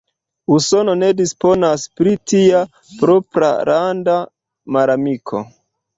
Usono ne disponas pri tia propralanda malamiko.